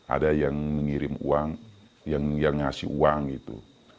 ada yang mengirim uang yang ngasih uang itu